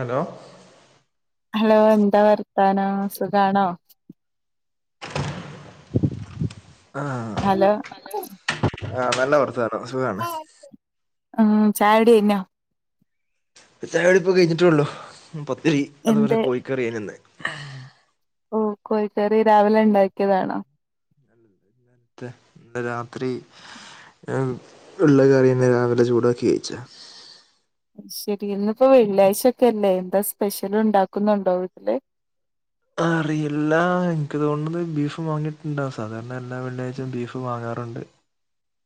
Hello hello എന്താ വർത്താനം സുഖാണോ ആഹ് ഹലോ ആഹ് നല്ല വർത്താനം സുഖാണ് ആം ചായുടി കയ്ഞ്ഞൊ ൻ്റ ചായുടിഇപ്പ കഴിഞ്ഞിട്ടള്ളോ പത്തരി അതുപോലെ എന്ത് കോഴിക്കറിയെനി ഇന്ന് ഓ കോയിക്കറി രാവിലെ ണ്ടാ ക്യതാണോ ല്ല ഇന്നൽത്തെ ഇന്ന് രാത്രി ആ ഉള്ള കറ്യന്നെ രാവിലെ ചൂടക്കി കഴിച്ച ശരി ഇന്നിപ്പോ വെള്ളിയാഴ്ചൊക്കെ അല്ലേ എത്താ സ്പെഷ്യലു ണ്ടാക്കുന്നുണ്ടോ വീട്ടില് അറിയില്ല എനിക്ക് തോണത് ബീഫും വാങ്ങിയിട്ട് ഉണ്ടാവും സാധാരണ എല്ലാ വള്ളേജും ബീഫ് വാങ്ങാറുണ്ട്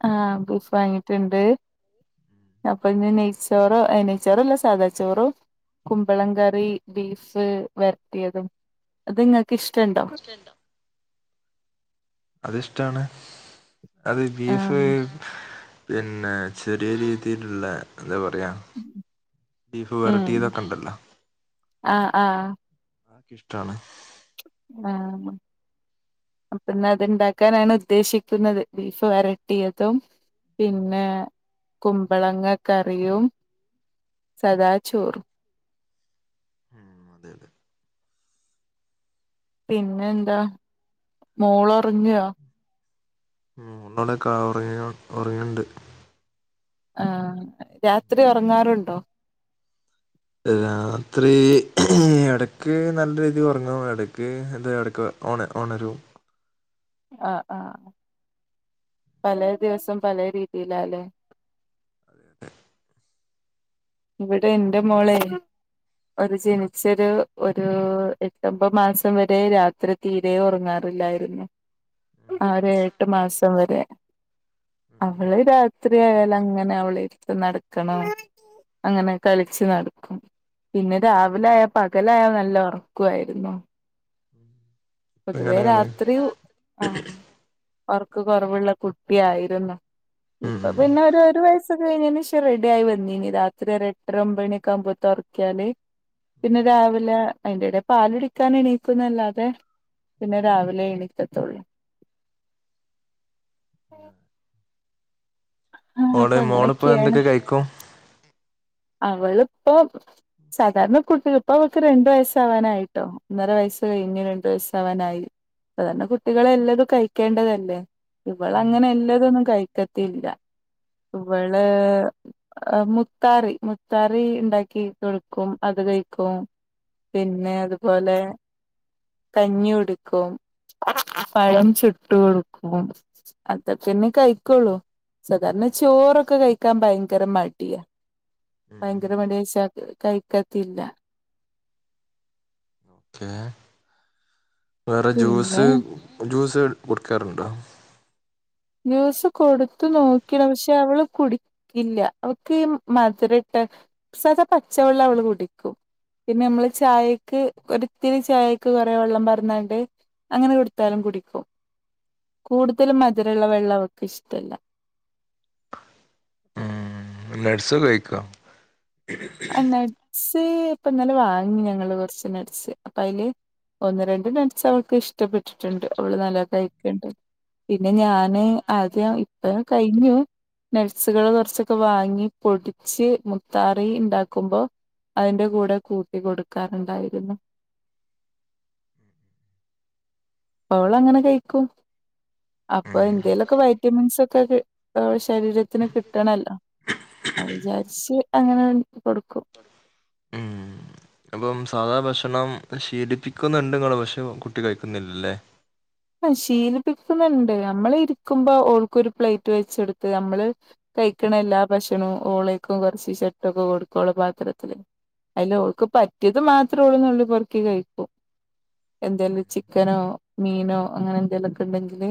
ആഹ് ബീഫ് വാങ്ങിട്ടുണ്ട് അപ്പൊ ഇന്ന് നെയ്ച്ചോറോ അനെയച്ചോറോ അല്ല സാദാച്ചോറോ കുമ്പളംകറി ബീഫ് വരത്തിയതും അത്ങ്ങൾക്ക് ഇഷ്ടുണ്ടോ രണ്ടോ അത്ഷ്ടാണ് അത് ബീഫ് ആഹ് പിന്നെ ചെറിയ രീതിയിലുള്ള എന്താ പറയാ ബീഫ് ഉം വെരട്ടിയതൊക്കെണ്ടല്ലോ ആഹ് ആഹ് അഒക്ക് ഇഷ്ടാണ് ആഹ് അപ്പന്ന് അത്ണ്ടാക്കാനാണ് ഉദ്ദേശിക്കുന്നത് ബീഫ് വെറട്ടിയതും പിന്നെ കുമ്പളങ്ങ കറിയും സദാചോറും ഉം അതെ അതെ പിന്നെ എന്താ മോളറിങ്യോ മളൊക്കെ ഉറങ്ങ ഉറങ്ങിണ്ട് ആഹ് രാത്രി ഒറങ്ങാറുണ്ടോ രാത്രി എടക്ക് നല്ല രീതിൽ ഉറങ്ങുമ ഇടയ്ക്ക് എന്താ ഇടയ്ക്ക് ഓണ ഓണരു ആഹ് ആഹ് പലെ ദിവസം പലെ രീതിയിലാല്ലെ അതെതെ ഇവിടെ എന്റെ മോളെ ഒരു ജനിച്ചൊരു ഒരു എട്ടൊമ്പത് മാസം വരെ രാത്രി തീര ഉറങ്ങാറില്ലായിരുന്നു ആര് എട്ട് മാസം വരെ അവള രാ എത്രരിയാല അങ്ങനെ അവളട്ത്ത് നടക്കണം അങ്ങനെ കളിച്ച് നടക്കും പിന്നെ രാവിലായ പകലായോ നല്ലോറ ക്കുയിരുന്നോ പൊതുവെ അങ്ങനെയാണ് രാത്രി ആഹ് ഒർക്ക് കുറവുള്ള കുട്ടിയായിരുന്നു ഉം ഇപ്പൊ ഉം പിന്നെ ഒരു ഒരു വയസ് ശേഷം റെഡി ആയി വന്നീനി രാത്രി ഒ എട്ടര ഒമ്പണിയ ഒെ ആകുമ്പോ തുറക്കിയാല് പിന്നെ രാവിലെ അതിന്റെടെ പാലിടിക്കാൻ എണീക്കുന്നല്ലാതെ പിന്നെ രാവിലെ എണീക്കത്തുള്ളൂ ആഹ് ആഹ് ഓള് അപ്പൊ മോളിപ്പോ അങ്ങനെയൊക്കെയാണ് എന്തൊക്കെ കഴിക്കും അവള് ഇപ്പ സാധാരണ കുട്ടികൾ ഇപ്പ അവക്ക് രണ്ടു വയസാവാനായിട്ടോ ഒന്നര വയസ്സ് കഴിഞ്ഞ് രണ്ടു വയസാവാനായി സാദാരണ കുട്ടികളെ എല്ലതും കഴിക്കേണ്ടതല്ലേ ഇവള അങ്ങനെ എല്ലാതും ഒന്നും കഴിക്കത്തി ത്തില്ല ഇവള് മുത്താറി മുത്താറി ഉണ്ടാക്കി കൊടുക്കും അത് കഴിക്കും പിന്നെ അതുപോലെ കഞ്ഞി കൊടുക്കും പഴം ചുട്ടും കൊടുക്കും അതൊക്കന്നെ കഴിക്കോള്ളു സാധാരണ ചോറൊക്കെ കഴിക്കാൻ ഭയങ്കര മടിയാ ഭയങ്കര മഡിയ കഴിക്കത്തില്ല ഓക്കെ വേറെ ജൂസ് പിന്നെ ജ്യൂസ് കൊടുക്കാറുണ്ടോ ജ്യൂസ് കൊടുത്തു നോക്കി പക്ഷെ അവള് കുടി ഇല്ല അവക്ക് ഈ മധുരട്ട സാധാ പച്ചവെള്ളം അവള് കുടിക്കും പിന്നെ നമ്മള് ചായക്ക് ഒരിത്തിരി ചായക്ക് കുറെ വെള്ളം പറന്നണ്ട് അങ്ങനെ കൊടുത്താലും കുടിക്കും കൂടുതലും മധുരമുള്ള വെള്ളം അവൾക്ക് ഇഷ്ടമല്ല ഉം നട്സ് ഉപയോഗിക്കോ ആ നെട്സ് ഇപ്പം ഇന്നലെ വാങ്ങി ഞങ്ങള് കൊറച്ച് നെട്സ് അപ്പൊ അതില് ഒന്ന് രണ്ട് നട്സ് അവൾക്ക് ഇഷ് ഇഷ്ട്ടപെട്ടിട്ടുണ്ട് അവള് നല്ല തയ്യ്ക്കണ്ട് പിന്നെ ഞാന് ആദ്യ ഇപ്പ കഴിഞ്ഞു നെട്സുകൾ കുറച്ചൊക്കെ വാങ്ങി പൊടിച്ച് മുത്താ ഈ ഇണ്ടാക്കുമ്പോ അതിന്റെ കൂടെ കൂട്ടി കൊടുക്കാറുണ്ടായിരുന്നു പ്പ അവള് അങ്ങനെ കഴിക്കും അപ്പോ ഉം എന്തേയിലൊക്കെ വൈറ്റമിൻസ് ഒക്കെ കിട്ട് ത് അവള ശരീരത്തിന് കിട്ടണല്ലോ അത് വിചാരിച്ച് അങ്ങനെ ഉം കൊടുക്കും ഉം അപ്പം സാധാ ഭക്ഷണം ശീലിപ്പിക്കുന്നുണ്ട് നിങ്ങള് പക്ഷെ കുട്ടി കഴിക്കുന്നില്ലല്ലേ അത് ശീലിപ്പിക്കുന്നുണ്ട് നമ്മള് ഇരിക്കുമ്പോ ഓൾക്കൊരു പ്ലേയിറ്റ് വെച്ച് കൊടുത്ത് നമ്മള് കഴിക്കണ എല്ലാ ഭക്ഷണവും ഓളേക് കുറച്ച് സെറ്റ്‌പ്പ് കൊടുക്കേണ പാത്രത്തില് അയില് ഓൾക്ക് പറ്റിയത് മാത്രം ഓള് നുള്ളി പറക്കി കഴിക്കും എന്തേലും ചിക്കനോ മീനോ അങ്ങനെ എന്തെലു ഒക്കെ ഉണ്ടങ്കില്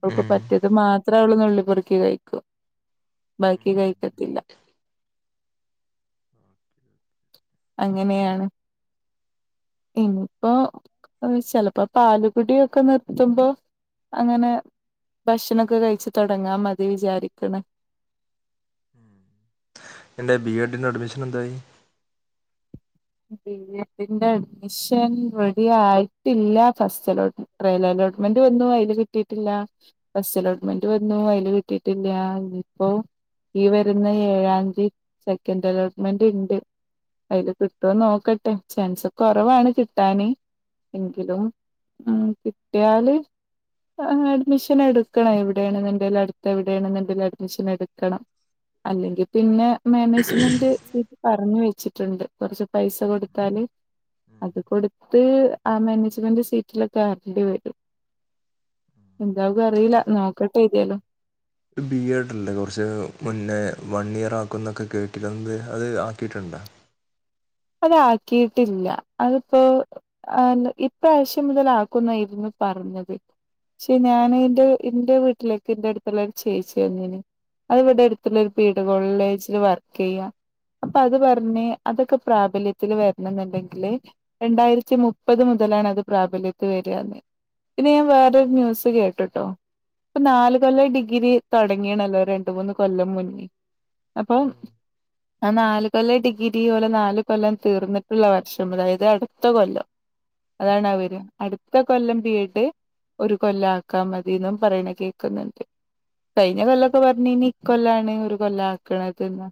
അവൾക്ക് ഉം പറ്റിയത് മാത്രം അവള് നുള്ളിപ്പറുക്കി കഴിക്കും ബാക്കി കഴിക്കത്തില്ല [inaudible] അങ്ങനെയാണ് ഇനിയിപ്പോ അ് ചെലപ്പോ പാലുകുടിയൊക്കെ നിർത്തുമ്പോ അങ്ങനെ ഭക്ഷണക്കെ കഴിച്ചു തുടങ്ങാ മതി വിചാരിക്കണ ആഹ് എൻ്റെ ബി എഡിൻ്റെ അഡ്മിഷൻ എന്തായി ബി എഡിൻ്റെ അഡ്മിഷൻ റെഡി ആയിട്ടില്ല ഫസ്റ്റ് അലോട്ട് ട്രൈയൽ അലോട്ട്മെന്റ് വന്നു അതിൽ കിട്ടിയിട്ടില്ല ഫസ്റ്റ് അലോട്ട്മെന്റ് വന്നു അതില് കിട്ടിയിട്ടില്ല ഇനിപ്പോ ഈ വരുന്ന ഏഴാംതി സെക്കൻ്റ് അലോട്ട്മെന്റ് ഉണ്ട് അതില് കിട്ട് കിട്ടോ നോക്കട്ടെ ചാൻസ് കുറവാണ് കിട്ടാന് എങ്കിലും ഉം കിട്ടിയാല് അ അഡ്മിഷൻ എടുക്കണം എവിടെയാണെങ്കിലും അടുത്ത് എവിടെയാണങ്കിലും അഡ്മിഷൻ എടുക്കണം അല്ലെങ്കി പിന്നെ മാനേജ്മെന്റ് സീറ്റ് പറഞ്ഞു വെച്ചിട്ടുണ്ട് കുറച്ച് പൈസ കൊടുത്താല് അത് കൊടു അത് ആഹ് മാനേജ്മെന്റ് സീറ്റിലെക്കെ ആക്കേണ്ടി വരും എന്താവു അറീലനോക്കട്ടെ ഏതെയാലും ബി എഡ് അല്ലേ കുറച്ച് മുന്നേ വൺ ഇയർ ആക്കുന്നൊക്കെ കേട്ടിരുന്നത് അത് ആക്കിട്ടുണ്ടോ അതാക്കിയിട്ടില്ല അതിപ്പോ.. ആന്ന് ഇപ്രാവശ്യം മുതല് ആക്കുന്നായിരുന്നു പറഞ്ഞത് പക്ഷെ ഞാന് ഇന്റെ ഇൻ്റെ വീട്ടിലേക്ക് ഇന്റെടുത്തുള്ളരു ചേച്ചി വന്നീന് അത് ഇവിടെ അടുത്തുള്ള ഒരു പീട കോളേളജ്ല് വർക്ക് ചെയ്യാ അപ്പ അത് പറഞ്ഞ് അതൊക് പ്രാബല്യത്തിൽ വരണന്നുണ്ടെങ്കില് ഹ് രണ്ടായിരത്തി മുപ്പത് മുതലാണ് അത് പ്രാബല്യത്തിൽ വരികാന്ന് പിന്നെ ഞാൻ വേറൊരു ന്യൂസ് കേട്ട്ട്ടോ ഇപ്പൊ നാല് കൊല്ലം ഡിഗ്രി തുടങ്ങിയണല്ലോ രണ്ട് മൂന്ന് കൊല്ലം മുന്നെ അപ്പം ഉം [unintelligible] ആ നാല് കൊല്ല ഡിഗി ഓലെ നാല് ഇകൊല്ലം തീർന്നിട്ടുള്ള വർഷം അതായത് അടുത്ത കൊല്ലം അതാണ് അവരും അടുത്ത കൊല്ലം ബി എഡ് ഒരു കൊല്ലാക്കാ മതിന്നും പറയണ കേക്കുന്നുണ്ട് കഴിഞ്ഞ കൊല്ലൊക്കെ പറഞ്ഞെനി ഇക്കൊല്ലാണ് ഒരു കൊല്ലാ ക്കണതന്ന്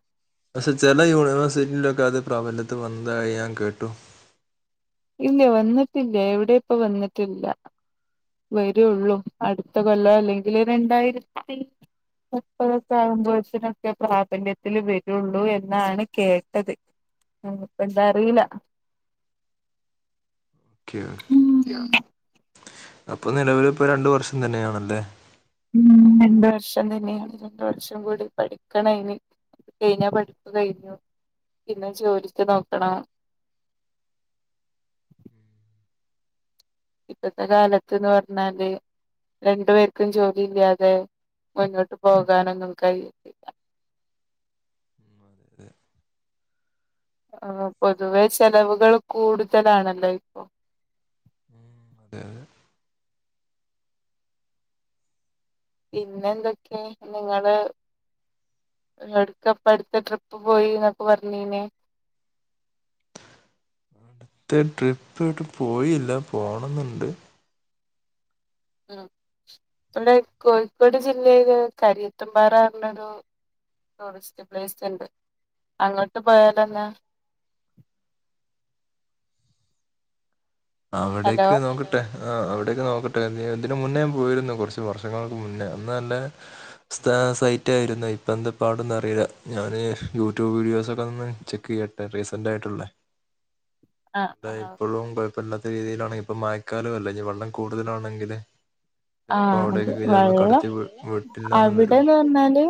പക്ഷെ ചെല യൂണിവേഴ്സിറ്റിലൊക്കെ അത് പ്രബല്യത്തി വന്നതായി ഞാൻ കേട്ടു ഇല്ല വന്നിട്ടില്ല എവിടെ ഇപ്പ വന്നിട്ടില്ല വരുവള്ളൂ അടുത്ത കൊല്ലൊ അല്ലെങ്കി രണ്ടായിരത്തി മുപ്പതൊക്കെ ആകുമ്പോഴത്തിനൊക്കെ പ്രാബല്യത്തില് വരുള്ളൂ എന്നാണ് കേട്ടത് ഉം എന്താറീല്ല [inaudible] ക്കെഓ ഉം ക്കെ അപ്പൊ നിലവലിപ്പ രണ്ട്‌ വർഷം തന്നെയാണല്ലേ ഉംഉം മ് രണ്ട്‌ വർഷം തന്നെയാണ് രണ്ടു വർഷം കൂടി പഠിക്കണയ്ന് കയിഞ്ഞാ പഠിപ്പ് കയിഞ്ഞു പിന്നെ ജോലിക്ക് നോക്കണം ഇപ്പത്തെ കാലത്ത്ന്ന് പർഞ്ഞാല് രണ്ടു പേർക്കും ജോലിയില്ലാതെ മുന്നോട്ട് പോകാനൊന്നും കഴിയത്തി ല്ല ഉം അതെ തെ ആ പൊതുവെ ചെലവുകള് കൂടുതലാണല്ലോ ഇപ്പൊ അതെ അതെ പിന്നെന്തൊക്കെ നിങ്ങള് എടുക്കപ്പട്ത്ത് ട്രിപ്പ് പോയി ന്നൊക്കെ പറഞ്ഞീനെ ത്ത് ട്രിപ്പ്ട്ട് പോയില്ല പോണംന്ന്ണ്ട് ഉം വടെ കോയി ക്കോട് ജില്ലയില് കരിയത്തുമ്പാറ റഞ്ഞൊരു ടൂറിസ്റ്റ് പ്ലേസ് റ്റ് ണ്ട് അങ്ങട്ട് പോയാലെ ന്താ? ഹലോ അവിടേക്ക് നോക്കട്ട് ട്ടെ ആ അവിടേക്ക് നോക്കട്ടെ [unintelligible] ഇതിന് മുന്നേ ഞാൻ പോയിരുന്നു കുറച്ച് വർഷങ്ങൾക്ക് മുന്നേ അന്നനല്ലേ സ്ഥാ സൈറ്റായിരുന്നു ഇപ്പന്താ പാടൊന്നു അറിയില്ല ഞാന് യൂട്യൂബ് വീഡിയോസൊക്കൊന്ന് ചെക്ക് ചെയ്യട്ട് റീസെന്റ് ആയിട്ടുള്ള ആഹ് താ ആഹ് ഇപ്പോഴുംപെർ പ്പന്നത്തെ രീതിയിലാണെങ്കിപ്പോ മയക്കാലോ അല്ലെ ഇഞ്ഞി വെള്ളം കൂടുതലാണെങ്കില് ചിലപ്പോ ആഹ് അത് അവിടേക്കൊക്കെ ചിലപ്പോ വെള്ളം കടത്തി വിട്ടില്ലാന്ന് വരും അവിടെന്ന് പറഞ്ഞാല്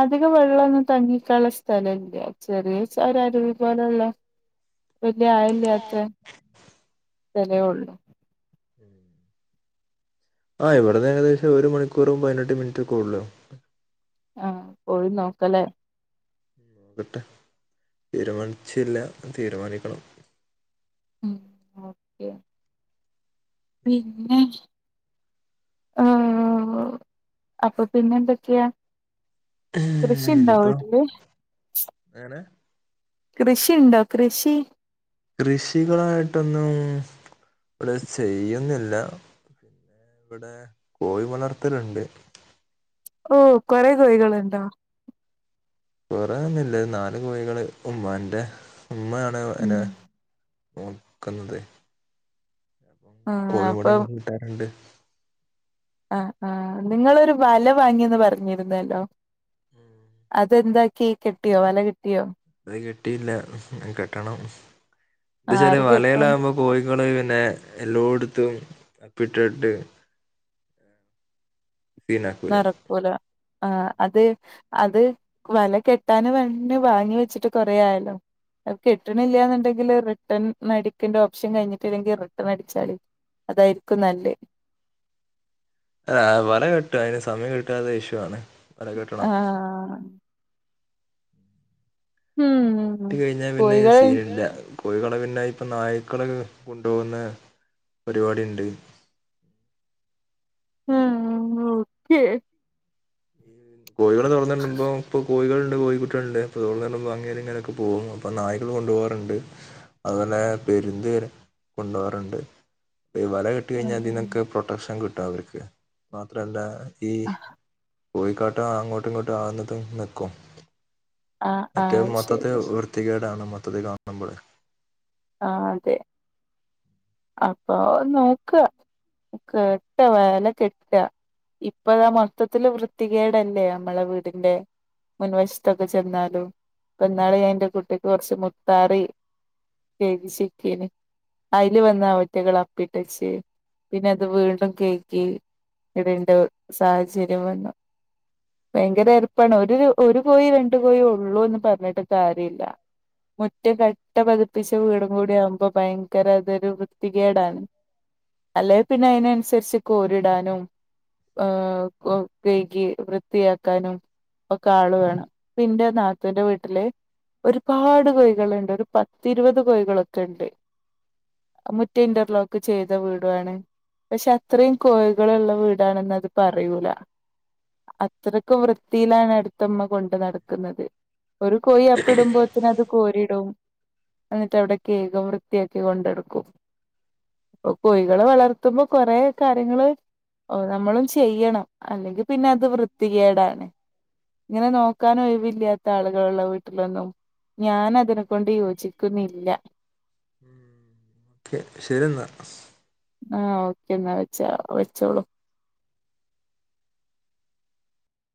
അധിക വെള്ളൊന്നും തങ്ങിക്കാള്ള സ്ഥലല്ല ചെറിയ ചാ ഒരരുവി പോലെള്ള [inaudible] വല്യ ആയല്ലാത്ത സ്ഥലെ ഉള്ളൂ ആ ഇവിടെന്ന് ഏകദേശം ഒരു മണിക്കൂറും പതിനെട്ട് മിനിറ്റൊക്കൊള്ളു ആഹ് പോയി നോക്കലേ ക്കട്ട് തീരുമാനിച്ചില്ല തീരുമാനിക്കണം ഉം ഓക്കെ പിന്നെ ആഹ്ഉ അപ്പൊ പിന്നെന്തൊക്കെയാ കൃഷിണ്ടോ വീട്ടില് എങ്ങനെ? കൃഷിണ്ടോ കൃഷി? കൃഷികളായിട്ടൊന്നും ചെയ്യുന്നില്ല. പിന്നെ വടെ കോഴി വളർത്തല്ണ്ട്. ഓ കൊറേ കോഴികളുണ്ടോ? കൊറേയൊന്നില്ല നാല് കോഴികള് ഉമ്മാന്റെ ഉമ്മയാണ് അയ്നെ ഉം നോക്കുന്നത് അപ്പം ആഹ് അപ്പം കോഴിമുടനമ്മക്ക്കിട്ടിണ്ട് ആ ആ നിങ്ങളൊരു വല വാങ്ങിയന്ന് പറഞ്ഞിരുന്നല്ലോ ഉം. അതെന്ത? കിട്ടിയോ വല കിട്ടിയോ? അത് കെട്ടിയില്ല കെട്ടണം എന്താച്ചാല് ആര് കെട്ടും വലയിലാകുമ്പോ കോഴികള് പിന്നെ എല്ലോട്ത്തും അപ്പിട്ടിട്ട് [unintelligible] ക്കൂല ക്കൂല ആ അത് അത് വല കെട്ടാൻ വേണ്ടി വാങ്ങി വെച്ചിട്ട് കൊറേ ആയല്ലോ അത് കെട്ട്ണില്ലന്നുണ്ടെങ്കില് റിട്ടേൺ അടിക്കണ്ട ഓപ്ഷൻ കഴിഞ്ഞിട്ടില്ലെങ്കിൽ റിട്ടേൺ അടിച്ചാളി. അതായിരിക്കും നല്ലേ ആ വല കെട്ടാ അതിന് സമയം കിട്ടാത്ത ഇഷ്യു ആണ്. വല കെട്ടണം ആഹ് ഉം കെട്ടി കഴിഞ്ഞാ പിന്നെ കോഴികൾ സീനില്ല കോഴികളെ പിന്നെ ഇപ്പൊ നായ്ക്കള് കൊണ്ടു പോകുന്ന പരിപാടി ഉണ്ട്. ആഹ ഓക്കെ കോഴികള് തുറന്നിടുമ്പോ ഇപ്പൊ കോഴികളുണ്ട് കോഴിക്കുട്ടികൾണ്ട്. കോഴികൾ അങ്ങനേം ഇങ്ങനൊക്കെ പോകും അപ്പ നായകൾ കൊണ്ടുപോവാറുണ്ട്. അതുല്ലെ പെരുന്ത വരെ കൊണ്ട് പോവാറുണ്ട് വല കെ കിട്ടി കഴിഞ്ഞാൽ അതിനൊക്കെ പ്രൊട്ടക്ഷൻ കിട്ടും അവർക്ക് മാത്രല്ല ഈ ആ കോഴി കാട്ട ആ അങ്ങോട്ടും ഇങ്ങോട്ടും ആകുന്നതും നിക്കും ആ ആ മറ്റേ മൊത്തത്തെ ശരി വൃത്തികേടാണ് മൊത്തത്തിൽ കാണുബോൾ ആഹ അതെ അപ്പൊ നോക്ക. കെട്ട വല കെട്ട ഇപ്പതാ മൊത്തത്തില് വൃത്തികേടല്ലേ നമ്മളെ വീടിന്റെ മുൻവശത്തൊക്കെ ചെന്നാലും ഇപ്പൊ ഇന്നാള ഞാൻ എന്റെ കുട്ടിക്ക് കുറച്ച് മുത്താറി [unintelligible] അതില് വന്ന് അവറ്റകൾ അപ്പിട്ടെച്ച് പിന്നെ അത് വീണ്ടും കെയ്കി ഇടേണ്ട സാഹചര്യം വന്നു. ഭയങ്കര എറപ്പാണ് ഒരു ഒരു കോഴി രണ്ടു കോഴിയൊ ഉള്ളു എന്ന് പറഞ്ഞിട്ട് കാര്യല്ല്യ മുറ്റം കട്ട പതിപ്പിച്ച വീട് ഇവിടെ ആവുമ്പൊ ഭയങ്കര അതൊരു വൃത്തികേടാണ്. അല്ലെ പിന്നെ അതിന് അനുസരിച്ച് കോരിടാനും ആ കൈകി വൃത്തിയാക്കാനും. ഒക്കെ ആള് വേണം ഇപ്പൊ ഇന്റെ നാത്തൂന്റെ വീട്ടില് ഒരുപാട് കോഴികളുണ്ട്. ഇപ്പൊ ഇരുപത് കോഴികളൊക്കെ ഉണ്ട്. മുറ്റം ഇന്റർലോക്ക് ചെയ്ത വീടുാണ്. പക്ഷെ അത്രയും കോഴികളുള്ള വീടാണെന്ന് അത് പറയൂല. അത്രയ്ക്കും വൃത്തിയിലാണ് അടുത്തമ്മ കൊണ്ട് നടക്കുന്നത്. ഒരു കോഴി അപ്പി ഇടുമ്പോത്തിന് അത് കോരിടും. എന്നിട്ട് അവിടെ കെഴുകും വൃത്തിയൊക്കെ കൊണ്ടെടുക്കും. കോഴികളെ വളർത്തുമ്പോ കൊറെ കാര്യങ്ങള് ഓ നമ്മളും ചെയ്യണം. അല്ലെങ്കിൽ പിന്നെ അത് വൃത്തികേടാണ്. ഇങ്ങനെ നോക്കാൻ ഒഴിവില്ലാത്ത ആളുകളുള്ള വീട്ടിലൊന്നും ഞാൻ അതിനെ കൊണ്ട് യോജിക്ക ക്കുന്നില്ല ഉം ഓക്കെ ശെരിന്നാ ഏഹ് പിന്നെ വെച്ച വെച്ചോളൂ.